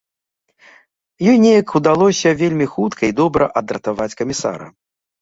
Ёй неяк удалося вельмі хутка і добра адратаваць камісара.